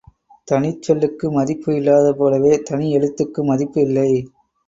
தனிச் சொல்லுக்கு மதிப்பு இல்லாதது போலவே, தனி எழுத்துக்கும் மதிப்பு இல்லை.